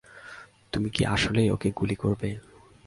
তুমি কি আসলেই ওকে গুলি করবে?